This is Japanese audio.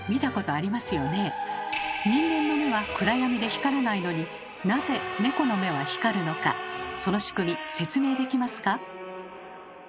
人間の目は暗闇で光らないのになぜネコの目は光るのかその仕組み説明できますか？